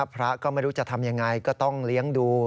พระก็ไม่รู้จะทำยังไงก็ต้องเลี้ยงดู